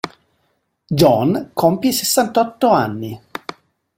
John compie sessantotto anni.